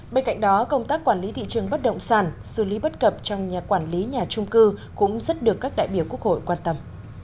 bên cạnh đó công tác quản lý thị trường bất động sản xử lý bất cập trong nhà quản lý nhà trung cư cũng rất được các đại biểu quốc hội quan tâm